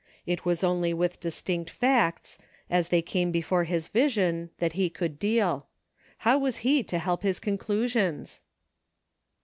It was only with distinct facts, as they came before his vision, that he could deal. How was he to help his conclu sions